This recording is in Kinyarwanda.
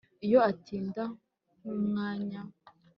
iyo atinda nk'umwanya